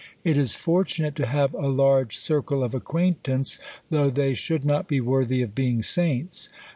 It is fortunate to have a large circle of acquaintance, though they should not be worthy of being saints.